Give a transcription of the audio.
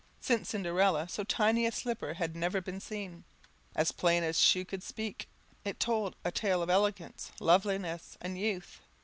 Since Cinderella so tiny a slipper had never been seen; as plain as shoe could speak, it told a tale of elegance, loveliness, and youth.